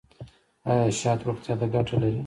ایا شات روغتیا ته ګټه لري؟